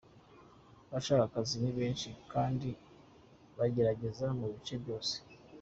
Abashaka akazi ni benshi kandi bagerageza mu bice byose.